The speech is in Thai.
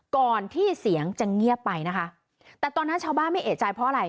ก่อนที่เสียงจะเงียบไปนะคะแต่ตอนนั้นชาวบ้านไม่เอกใจเพราะอะไร